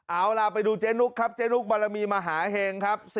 เอาล่ะไปดูเจ๊นุกครับเจ๊นุกบารมีมหาเห็งครับ